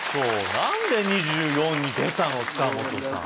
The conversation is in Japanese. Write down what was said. なんで２４に出たの塚本さん